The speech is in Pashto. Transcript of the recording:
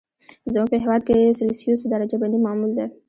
زموږ په هېواد کې سلسیوس درجه بندي معمول ده.